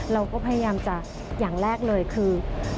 เราก็พยายามจะอย่างแรกเลยคือ